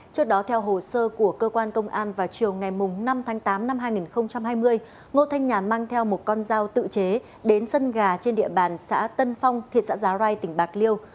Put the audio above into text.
trước đó theo hồ sơ của cơ quan công an vào chiều ngày năm tháng tám năm hai nghìn hai mươi ngô thanh nhà mang theo một con dao tự chế đến sân gà trên địa bàn xã tân phong thị xã giá rai tỉnh bạc liêu